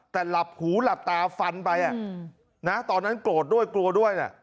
แต่หลับหูหลับตาฟันไปตอนนั้นโกรธด้วยกลัวด้วยนะ